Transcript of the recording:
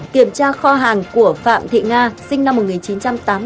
kiểm tra kho hàng của phạm thị nga sinh năm một nghìn chín trăm tám mươi bốn